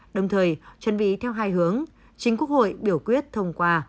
đồng thời chuẩn bị theo hai hướng chính quốc hội biểu quyết thông qua